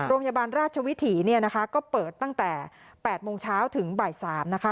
โรงยาบาลราชวิถีก็เปิดตั้งแต่๘โมงเช้าถึงบ่าย๓นะคะ